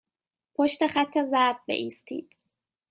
پشت خط زرد بایستید.